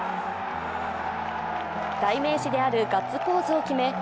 代名詞であるガッツポーズを決め